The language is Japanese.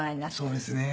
そうですね。